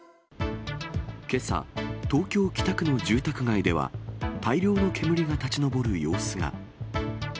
けさ、東京・北区の住宅街では、大量の煙が立ち上る様子が。